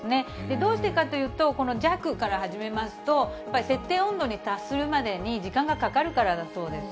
どうしてかというと、この弱から始めますと、これ、設定温度に達するまでに、時間がかかるからだそうです。